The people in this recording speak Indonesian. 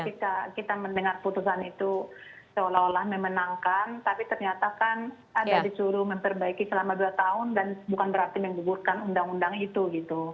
ketika kita mendengar putusan itu seolah olah memenangkan tapi ternyata kan ada disuruh memperbaiki selama dua tahun dan bukan berarti menggugurkan undang undang itu gitu